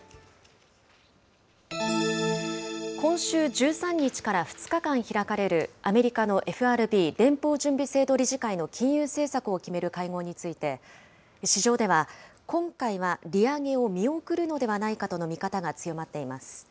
今週１３日から２日間開かれる、アメリカのＦＲＢ・連邦準備制度理事会の金融政策を決める会合について、市場では、今回は利上げを見送るのではないかとの見方が強まっています。